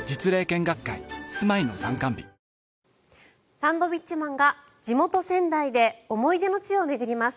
サンドウィッチマンが地元・仙台で思い出の地を巡ります。